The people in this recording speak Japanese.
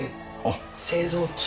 製造中。